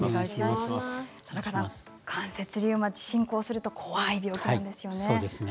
関節リウマチ、進行すると怖い病気なんですね。